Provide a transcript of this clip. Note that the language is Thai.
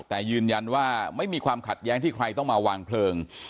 แต่ยืนยันว่าไม่มีความขัดแย้งที่ใครต้องมาวางเพลิง